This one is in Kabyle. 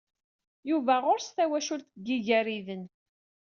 Yuba ɣur-s tawacult deg Igariden.